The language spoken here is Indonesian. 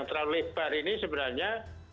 terlalu lebar ini sebenarnya